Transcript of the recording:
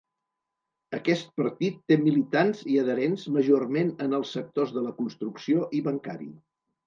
Aquest partit té militants i adherents majorment en els sectors de la construcció i bancari.